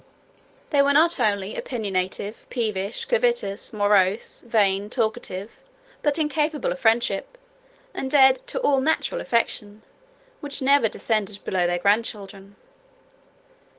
They were not only opinionative, peevish, covetous, morose, vain, talkative, but incapable of friendship, and dead to all natural affection, which never descended below their grandchildren.